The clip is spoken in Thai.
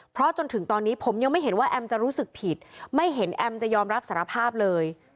เพราะจนถึงตอนนี้ผมยังไม่เห็นว่าแอมจะรู้สึกผิดไม่เห็นแอมจะยอมรับสารภาพเลย